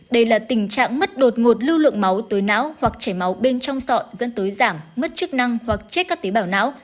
đây là tình trạng mất đột ngột lưu lượng máu tới não hoặc chảy máu bên trong sọn dẫn tới giảm mất chức năng hoặc chết các tế bào não